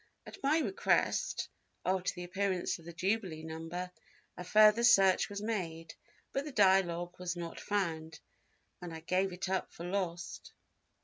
At my request, after the appearance of the jubilee number, a further search was made, but the Dialogue was not found and I gave it up for lost.